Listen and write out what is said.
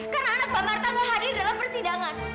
karena anak mbak marta gak hadir dalam persidangan